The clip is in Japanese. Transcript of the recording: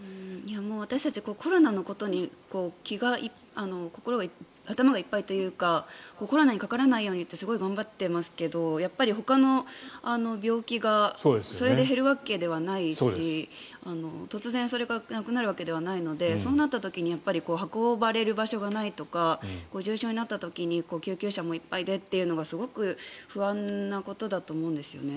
私たち、コロナのことに頭がいっぱいというかかからないようにかからないようにってすごい頑張ってますけどほかの病気がそれで減るわけではないし突然それがなくなるわけではないのでそうなった時に運ばれる場所がないとか重症になった時に救急車もいっぱいでというのがすごく不安なことだと思うんですよね。